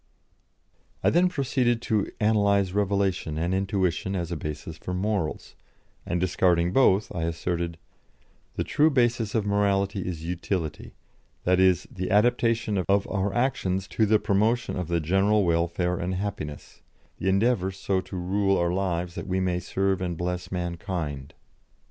I then proceeded to analyse revelation and intuition as a basis for morals, and, discarding both, I asserted: "The true basis of morality is utility; that is, the adaptation of our actions to the promotion of the general welfare and happiness; the endeavour so to rule our lives that we may serve and bless mankind."